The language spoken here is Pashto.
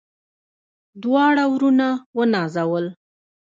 دواړه وروڼه ونازول.